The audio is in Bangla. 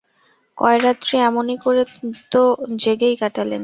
কয়রাত্রি এমনি করে তো জেগেই কাটালেন।